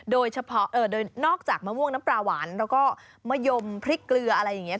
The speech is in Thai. โดยเฉพาะโดยนอกจากมะม่วงน้ำปลาหวานแล้วก็มะยมพริกเกลืออะไรอย่างนี้